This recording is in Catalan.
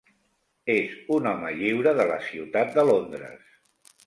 És un "Home Lliure" de la ciutat de Londres.